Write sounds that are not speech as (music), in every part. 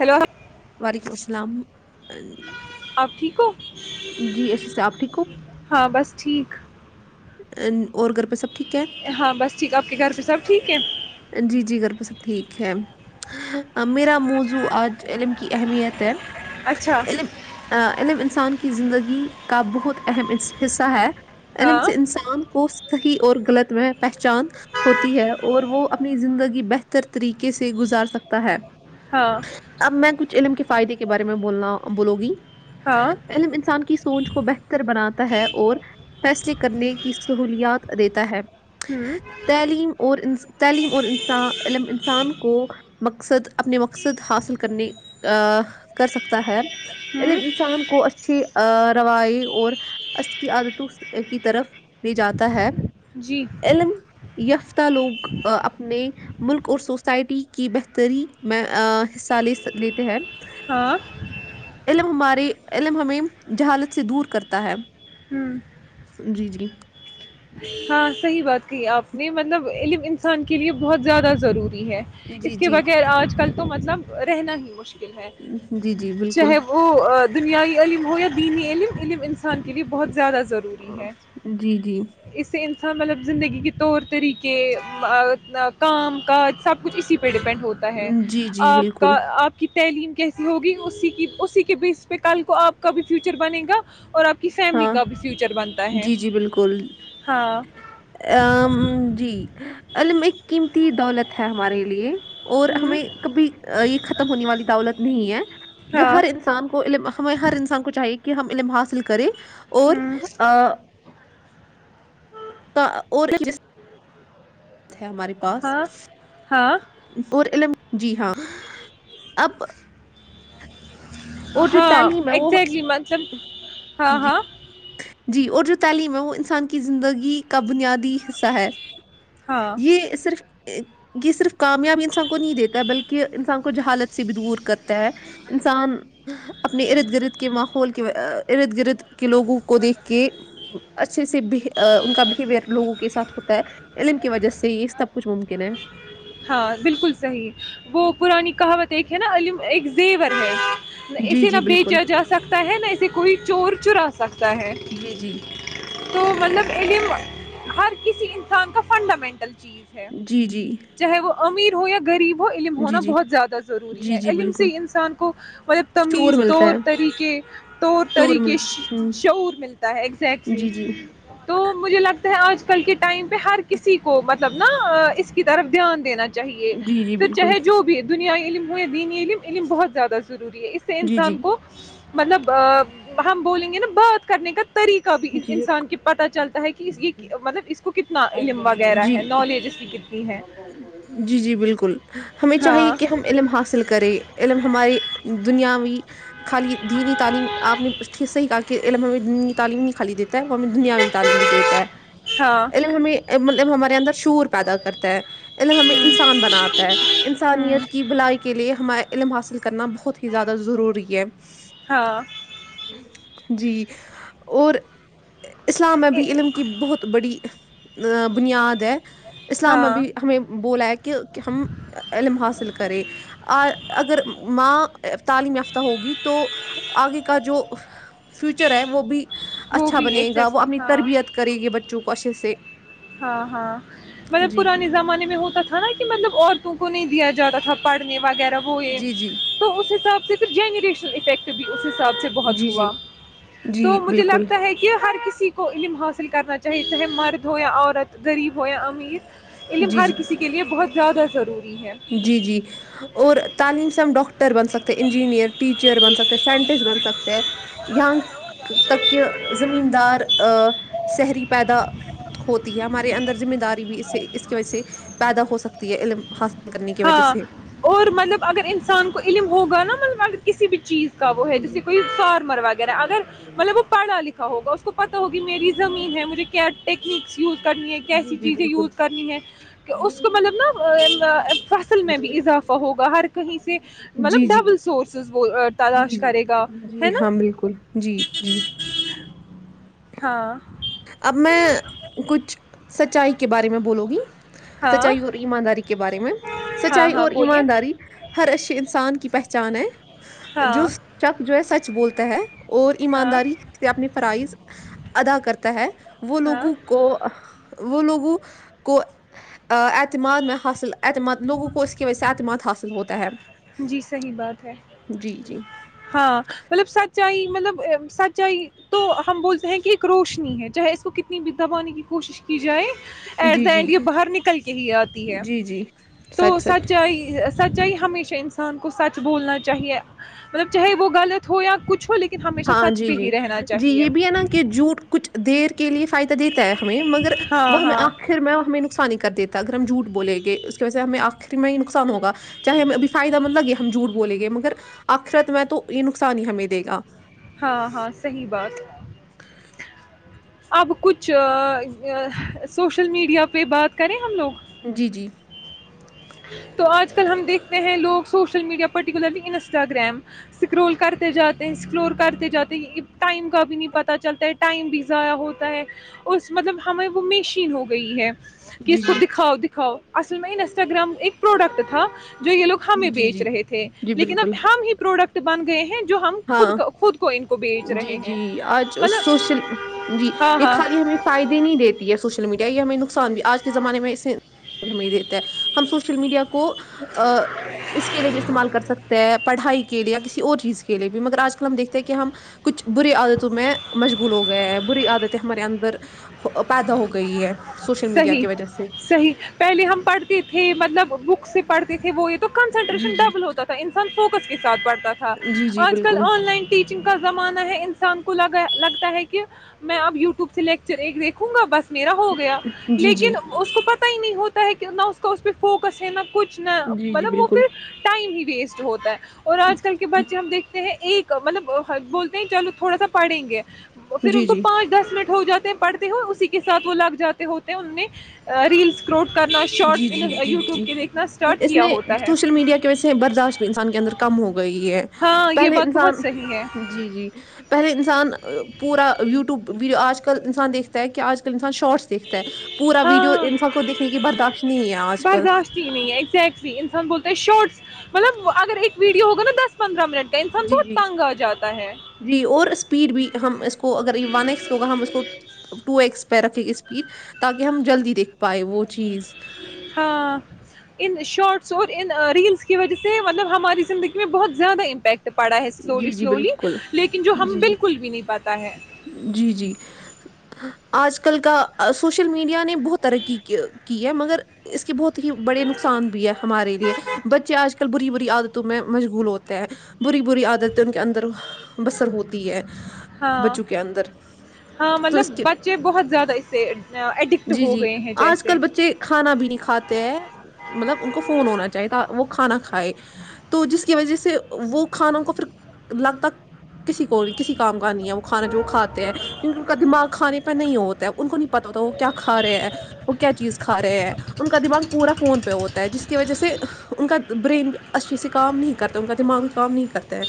hello وعلیکم السلام آپ ٹھیک ہو جی ایشی سے آپ ٹھیک ہاں بس ٹھیک ا اور پہ سب ٹھیک ہے ہاں بس ٹھیک آپ کے گھر پہ سب ٹھیک ہے جی جی گربت سب ٹھیک ہے میرا موضوع آج علم کی اہمیت ہے اچھا علم علم انسان کی زندگی کا بہت اہم حصہ ہے علم ہاں سے انسان کو صحیح اور غلط میں پہچان ہوتی ہے اور وہ اپنی زندگی بہتر طریقے سے گزار سکتا ہے ہاں اب میں کچھ علم کے فائدے کے بارے میں بولنا بولو گی ہاں علم انسان کی سوچ کو بہتر بناتا ہے اور فیصلے کرنے کی سہولیات دیتا ہے ہوں تعلیم اور ان تعلیم اور انسا ع انسان کو مقصد اپنے مقصد حاصل کرنے کر سکتا ہے ہوں عیلم انسان کو اسچ روائی اور ا کی عادتوں کی طرف لے جاتا ہے جی علم یف تلک اپنے ملک اور سوسائٹی کی بہتری میں حصہ لے لیتے ہیں ہاں علم ہمارے علم ہمیں جہالت سے دور کرتا ہے ہوں جی جی ہاں صحیح بات کہ آپ نے مطلب ع انسان کے لیے بہت زیادہ ضرور ہے جی اس کے جی بغیر آج کل تو مطلب رہنا ہی مشکل جی جی مکل بالکل چاہے وہ دنیائی علم ہو یا دینی علم علم انسان کے لیے بہت زیادہ ضروری ہے جی جی ج می ط س ہے کچھ اسی پہ ڈیپینڈ ہوتا ہے جی جی آپ بالکل کا آپ کی تعلیم کیسی ہوگی اسی کی اسی کے بیس پہ کل کو آپ کا بھی فیوچر بنے گا اور آپ کے کی فیملی ہاں کا بھی فیوچر بنتا ہے ہاں ا جی الم ایک دولت ہے ہمارے لیے اور ہوں ہمیں کبھی یہ ختم ہونے والی دولت نہیں ہے جو ہاں ہر انسان کو ہمیں ہر انسان کو چاہیے کہ کہ ہم علم حاصل کریں اور ہوں آ اور جس ہے ہمارے پاس ہاں ہاں اور علم جی ہاں اب اور جو ہاں تعلیم ہے وہ ایکگزیکٹلی مطلب ہاں جی ہاں جی اور جو تعلیم ہے وہ انسان کی زندگی کا بنیاد حصہ ہے ہاں یہ صرف یہ صرف کامیابی انسان کو نہیں دیتا بلکہ انسان کو جہالت سے بھی دور کر ہے انسان اپنے ارد گرد کے ماحول کے ارد گرد لوگوں کو دیکھ کے اچھا اچ سے ان کا بہیور لوگوں کے ساتھ ہوتا ہے علم کی وجہ سے یہ سب کچھ ممکن ہے ہاں بالکل صحیح وہ پرانی کہاوت ایک ہے نا عم ایک زیور ہے جی اسے نہ جی بالکل بیچا جا سکتا ہے نہ اسے کوئی چور چراسا ہے جی جی تو مطلب ا لی ہر کسی انسان کا فنڈامنٹل چیز ہے جی جی امیر ہو یا غریب وہ علم جی ہونا جی بہت زیادہ ضروری جی ہے جی علم سے بالکل انسان کو مطلب شور تمیز ملتا طور ہے طریقے طور شور طریقے مل ہوں شعور ملتا ہے ایگزیکٹلی جی جی تو مجھے لگتا آج کل کے ٹائم پہ ہر کسی کو مطلب نا اس کی طرف دھیان دین چاہیے جی جی پھر بالکل چاہے جو بھی دنیا علم علم علم بہت زدہ ضروری ہے اس سے جی انسان جی کو مطلب ہم بولیں گے نا بات کرنے کا طریقہ بھی جی انسان کے پتاہ چلتا ہے کہ یہ مطلب اس کو کتنا ن علم وغیرہ ہے جی نالج اس کی کتنی ہے جی جی بالکل ہمیں چاہیے ہاں کہ ہم علم حاصل کریں علم ہمارے دنیاوی خالی دینی تعلیم آپ نے اس صحیح کہا کہ علم ہمیں دینی تعلیم (inaudible) وہ ہمیں دنیاوی تعلیم بھی دیتا ہے ہاں ا ہمطب ہم اندر شور پیدا کرتا ہے علم ہمیں انسان بناتا ہے انسانیت کی بلائی کے لیے ہمار علم حاصل کرنا بہت ہی زیادہ ضروری ہے ہاں جی اور اسلام میں بھی علم کی بہت بڑی ا بنیاد ہے اسلام میں ہاں بھی ہمیں بولا ہے کہ کہ ہم علم حاصل کریں اگر ماں تعلیم یافتہ ہوگی تو آگے کا جو فیوچر ہے وہ بھی وہ اچھا بھی بنے گا وہ ایگزیکٹلی اپنی ہاں تربیت کرے گی بچوں کو اے سے ہاں ہاں مطلب جی جی پرانے زمانے میں ہوتا تھا نا کہ مطلب اور کو نہیں دیا جاتا تھا پڑنے وغیرہ ہوئے جی جی تو اس حساب سے صف جنریشن افیکٹ بھی اس حساب سے بہت جی جی ہوا جی تو مجھے بالکل لگتا ہے کہ ہر کسی کو علم حاصل کرنا چاہیے چاہے مرد ہویا عورت غریب ہویا امیر علم جی ہر جی کسی کے لیے بہت زیادہ ضرور جی جی اور تعلیم سے ہم ڈاکٹر ر بن سکتے انجینئر ٹیچر بن سکتے سائنٹسٹ بن سکتے ہیں اں تک کہ زمین دار شہری پیدا ہوتی ہے ہمارے اندر مین داری بھی اس اس کی وجہ سے پیدا ہو سکتی ہے علما ہاں اور مطلب اگر انسان کو علم ہوگا ن ملبا کسی بھی چیز کا وہ ہے جیسے کوئی فارمر وغیرہ اگر مطلب وہ پڑھا لکھا ہوگا پتا ہوگی میری زمین ہے مجھے کیاٹ یوز کرنی ہے کیسی جی چیزیں بالکل یوز کرنی ہے اس کو مطلب نا توا فصل میں بھی اضافہ ہوگا ہر کہیں سے مطلب جی جی ڈبل سورسز وہ جی تلاش جی کرے گا جی ہے نا ہاں بالکل جی جی ہاں اب میں کچھ سچائی کے بارے میں بولو گی ہاں سچائی اور ایمانداری کے بارے میں ہاں سچائی ہاں اور بولیے ایمانداری ہر اچے انسان کی پہچ چانے ہاں جو شک جو ہے سچ بولتا ہے اور ہاں ایمانداری سے اپنی فرائز ادا کرتا ہے وہ ہاں لوگوں کو وہ لوگوں کو اعتماد میں حاصل اعتماد لوگوں کو اس کی وجہ سے اعتماد حاصل ہوتا ہے جی صحی بات ہے جی جی ہاں مطلب سچ سچائی مطلب سچائی تو ہم بولتے ہیں کہ ایک روشنی ہے چاہے اس کو کتنی بھی دبانے کی کوشش کی جائے ایٹ جی دا جی اینڈ یہ باہر نکل کے ہی آتی ہے جی جی تو سچ سجائی ہمیشہ انسان کو سچ بولنا چاہیے مطلب چاہے وہ غلط ہو یا کچھ ہو لکھن ہاں جی جی جی یہ بھی ہے نا کہ جوٹ کچھ دیر کے لیے فائدہ دیتا ہے ہمیں مگر ہاں وہ ہمیں ہاں آخر میں ہمیں نقصانی کر دیتا ا گگررم جھٹھ بولے گ ویسے ہمیں آخری میں ہی کو نقصان ہوگا چاہے ہمیںبھی فائدہ مطل ل یہے ہم جھوٹ بولیں گے مگر آخرت میں تو یہ نقصان ہی ہمیں دے گا ہاں ہاں صحیح بات اب کچھ سوشل میڈیا پہ بات کریں ہم لوگ جی جی تو آج کل ہم دیکھتے ہیں لوگ social media particularly Instagram scroll کرتے جاتے ایکسپلور کرتے جاتے ٹائم کا بھی نہیں پتا چلتا ہے ٹائم بھی ضائع ہوتا ہے اس مطلب ہمیں وہ میشین ہو گئی ہے جی کس کو جی دکھاؤ د ہو اصل میں نس انٹاام ایک پروڈکٹ تھا جو یہ لوگ ہمیں جی بیچ جی رہے تھے جی لیکن بالکل اب ہم ہی پروڈکٹ تو بند گئے ہیں جو ہم خود ہاں خود کو ان کو بیچ رہے جی ہیں جی آج مطلب سوشل جی ہاں یہ ہاں خالی ہمیں فائدے نہیں دیتی ہے سوشل میڈیا یہ ہمیں نقصان بھی آج کے زمانے میں اسے ہمیں دیتا ہے ہم سوشل میڈیا کو کو اس کے لیے بھی استعمال کر سکتے ہیں پڑھائی کے لیا کسی اور چیز کے کے لیے بھی مگر آج کل ہم دیکھتے ہیں کہ ہم کچھ بری عادتوں میں مشغول ہو گئے ہیں بری عادتیں ہمارے اندر پیدا ہو گئی ہے سوشل میڈیا صحیح کی وجہ سے صحیح پہلے ہم پڑھتے تھے مطلب بک سی پڑتی تھی وہ تو جی کنسنٹریشن جی ڈبل ہوتا تھا انسان فوکس کے سھ پڑھ تھا جی جی آج کل بالکل آن لائن ٹیچنگ کا زمانہ ہے انسان کو لا لگتا ہے کہ میں اب یو وب سے لیکچر ایک دیکھوں گا بس میرا ہو گیا جی جی لیکن اس کےوپر ہی نہیں ہوتا ہے کہ نہ اس کا اس پہ فوکس ہے نہ کچھ نا جی جی مطلب وہ بالکل پھر ٹائم ہی ویسٹ ہوتا ہے اور آج کل کے بچے ہم دیکھتے ہیں ایک مطلب بولتے ہیں چلو تھوڑا سا پڑھیں گے پھر ان جی کو جی پانچ دس منٹ ہو جاتے ہیں پڑتے ہوئے اسی کے ساتھ وہ لگ جاتے ہوتے ہیں ہم نے ریلس کرروٹ کرنا جی شارٹس جی جی یوٹیوب جی کے دیکھنا اسٹارٹ اس کیا میں ہوتا ہے سوشل میڈیا کی وجہ سے برداشت انسان کے اندر کم ہو گئی ہے ہاں یہ پہلے بات بہت انسان صحیح ہے جی جی پہلے انسان پور یبیو آج کل انان دیکھتا ہے آ ک ان شارٹس دیکتاتے پور ویڈیو ہاں ان سب کو دیکنے کی برداشت نہیں ہے آج کل برداشت ہی نہیں ہے ایگزیکٹلی انسان بول تو شوٹس مطلب اگر ایک ویڈو ہوگا دس پندرہ منٹ کا انسان جی بہت جی تنگ آ جاتا ہے جی اور اسپیڈ بھی ہم اس کو اگر یہ ون ایکس ہوگا ہم اس کو ٹو ایکس پہ رکھ اسپیڈ تاکہ ہم جلدی دیکھ پائے وہ چیز ہاں ان شارٹ سو ان ریلس کی وجہ سے مطلب ہماری زندگی میں بہت زیادہ امپیکٹ پڑا ہے سلولی جی جی سلولی بالکل لیکن جو ہم جی جی بالکل بھی نہیں پاتا ہے جی جی آج کل کا سوشل میڈیا نے بہت ترقی کی ہے مگر اس کے بہت ہی بڑے نقصان بھی ہے ہمارے لیے بچے آج کل بری بری عادتوں میں مشغول ہوتے ہیں بری بری عادت ہے ان کے اندر وہ بسر ہوتی ہے ہاں بچوں کے اندر ہاں تو مطلب اس کے بچے بہت زیادہ اس سے ایڈکٹ جی ہو جی گئے ہیں آج جیسے کل بچے کھانا بھی نہیں کھاتے ہیں مطلب ان کو فون ہونا چاہیے تھا وہ کھانا کھائے تو جس کی وجہ سے وہ کھانوں کو پھر لگتاک کسی کو کسی کام کا نہیں ہے وہ کھانا جو کھاتے ہیں کیونکہ ان کا دماغ کھانے پہ نہیں ہوتا ہے ان کو نہیں پت ہوتا وہ کیا کھا رہے ہیں وہ کیا چیز کھا رہے ہیں ان کا دماغ پورا فون پہ ہوتا ہے جس کی وجہ سے ان کا برین اچھی سے کام نہیں کرتا ان کا دماغ بھی کام نہیں کرتا ہے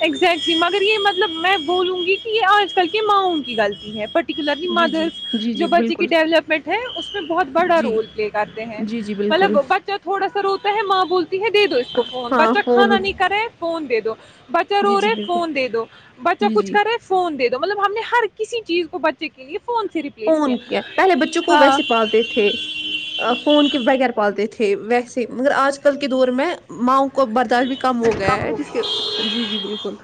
اگزیکٹلی مگر یہ مطلب میں بولوں گی کہ یہ اور کر کے ماؤں کی گلطی ہے پ پرٹیکولرلی جی جی مدرس جی جو جی بچے کی بالکل ڈیولپمنٹ ہے اس میں بہت بڑا جی رول پلے کرتے ہیں جی جی بالکل مطلب بچہ تھوڑا سا روتا ہے ماں بولتی ہے دے دو اس کو فون ہاں بچہ فون کھانا نہیں کرے فون دے دو ر جی جی رہے بالکل فون دے دو بچہ جی کچھ جی کرے فون دے دو مطلب ہم نے ہر کسی چیز کو بچے کے لیے فون سے ریپلیس فون کیا پہلے بچکو ہاں ویسے پالتے تھے فون کے بغیر پالتے تھے ویسے مگر آج کل کے دور میں ماؤ کو برداشت بھی کم ہو گیا ہے جس کے جی جی بالکل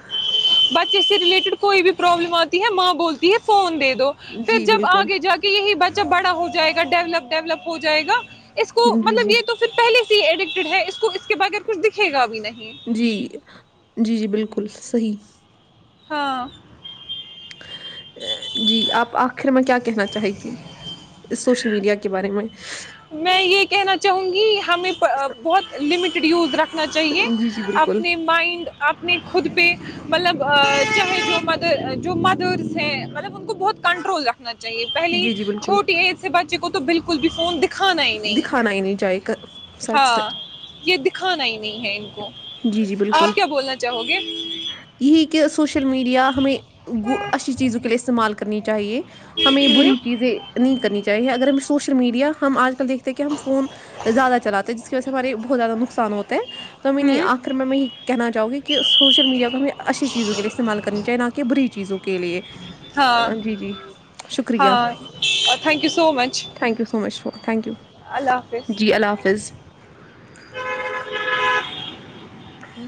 بچے سے ریلیٹڈ کوئی بھی پرابلم آتی ہے ماں بولتی ہے فون دے دی دو پھر جی جب بالکل آگے جا کے یہی بچہ بڑا ہو جائے گا ڈیولپ ڈیولپ ہو جائے گا اس کو جی مطلب جی یہ تو پھر پہل ہی ایڈکٹڈ ہے اس کو اس اس کے بغیر کچھ دکھے گا بھی نہیں جی جی جی بالکل صحیح ہاں جی آپ آخر میں کیا کہنا چاہے گی اس سوشل میڈیا کے بارے میں میں یہ کہنا چاہوں گی ہمیں بہت لمٹ رڈیز رکھ نا چاہیے جی جی بالکل اپنے مائنڈ اپنے خود پہ مطلب چاہے جو مدر جو مدرس ہیں مطلب ان کو بہت کنٹرول رکھ نا چاہیے پہلی جی جی بالکل چھوٹی ایج سے بچے کو بالکل بھی فون دکھ کھانا ہی نہیں ہے دکھانا ہی نہیں چاہیے سچ ہاں سچ یہ دکھانا ہی نہیں ہے ان کو جی جی بالکل آپ کیا بولنا چاہو گے یہی کہ سوشل میڈیا ہمیں گ اچھی چیزوں کے لیے استعمال کرتے کرنی چاہیے ہمیں ہوں بری چیزیں نہیں کرنی چاہیے اگر ہمیں سوشل میڈیا ہم آج کل دیکھتے ہیں کہ ہم فون زیادہ چلاتے ہیں جس کی وجہ سے ہمارے بہت زیادہ نقصان ہوتے ہیں توم ہوں ونیخر میں ہی کہنا چاہو گی کہ سوشل میڈیا کو ہمیں اچھی چیزوں کے لیے استعمال کرنی چاہیے نہ کہ بری چیزوں کے لیے ہاں آ، جی جی شکریہ ہاں thank you so much thank you so much thank you اللہ حافظ جی اللہ حافظ ہوں